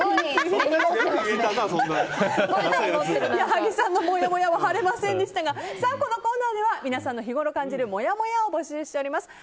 矢作さんのもやもやは晴れませんでしたがこのコーナーでは皆さんが日ごろ感じるもやもやを募集しています。